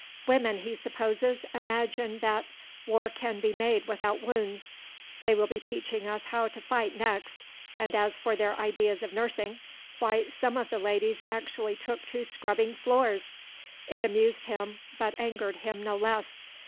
Women, he supposes, imagine that "war can be made without wounds"; they will be teaching us how to fight next; and as for their ideas of nursing, why some of the ladies actually took to "scrubbing floors"! It amused him, but angered him no less.